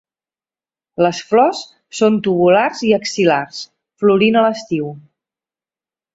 Les flors són tubulars i axil·lars, florint a l'estiu.